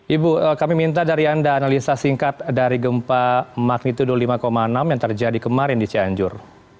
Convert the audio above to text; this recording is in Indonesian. ibu kami minta dari anda analisa singkat dari gempa magnitudo lima enam yang terjadi kemarin di cianjur